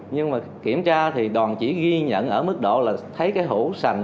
nhưng mà kiểm tra thì đoàn chỉ ghi nhận ở mức độ là thấy cái hũ